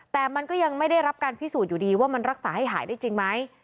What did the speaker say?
แต่มันก็ยังไม่ได้รับการพิสูจน์อยู่ดีว่ามันรักษาให้หายได้จริงไหม